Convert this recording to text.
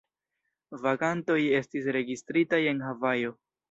Vagantoj estis registritaj en Havajo.